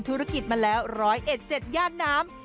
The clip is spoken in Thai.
ธุรกิจมาแล้ว๑๐๑๗ย่านน้ำ